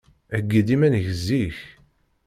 Heyyi-d iman-ik zik.